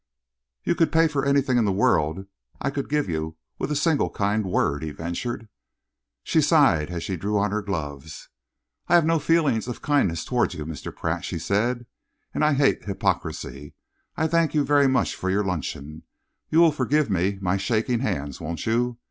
"You could pay for anything in the world I could give you, with a single kind word," he ventured. She sighed as she drew on her gloves. "I have no feeling of kindness towards you, Mr. Pratt," she said, "and I hate hypocrisy. I thank you very much for your luncheon. You will forgive my shaking hands, won't you?